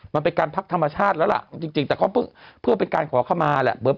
มันเป็นการพักธรรมชาติแล้วล่ะจริงแต่ก็เพื่อเป็นการขอเข้ามาแหละ